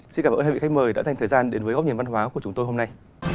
xin cảm ơn hai vị khách mời đã dành thời gian đến với góc nhìn văn hóa của chúng tôi hôm nay